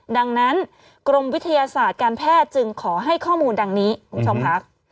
ดังนั้นกรมวิทยาศาสตร์การแพทย์จึงขอให้ข้อมูลดังนี้คุณผู้ชมค่ะ